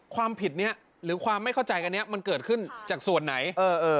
ความผิดนี้หรือความไม่เข้าใจอันนี้มันเกิดขึ้นจากส่วนไหน